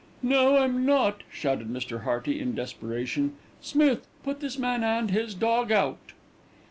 "No, I'm not," shouted Mr. Hearty in desperation. "Smith, put this man and his dog out."